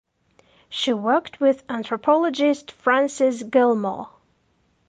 She worked with anthropologist Frances Gillmor.